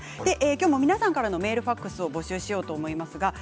今日も皆さんからのメールファックスを募集しようと思います。